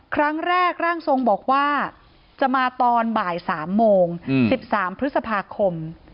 ร่างทรงบอกว่าจะมาตอนบ่าย๓โมง๑๓พฤษภาคม